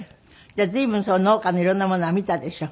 じゃあ随分農家の色んなものは見たでしょ？